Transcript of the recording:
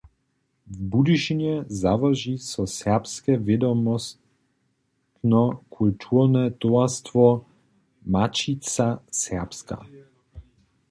W Budyšinje załoži so serbske wědomostno-kulturne towarstwo „Maćica Serbska“.